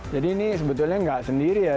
jadi ini sebetulnya nggak sendiri ya